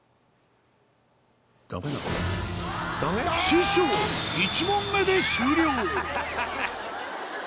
師匠１問目で終了！